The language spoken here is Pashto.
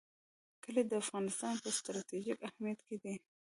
کلي د افغانستان په ستراتیژیک اهمیت کې دي.